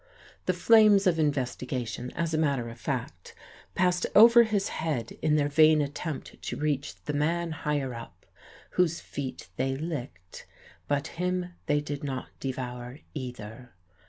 The flames of investigation, as a matter of fact, passed over his head in their vain attempt to reach the "man higher up," whose feet they licked; but him they did not devour, either.